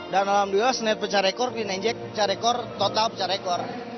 dan alhamdulillah senit pecah rekor di nejek pecah rekor total pecah rekor